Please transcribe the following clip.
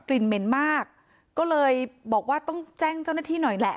ลิ่นเหม็นมากก็เลยบอกว่าต้องแจ้งเจ้าหน้าที่หน่อยแหละ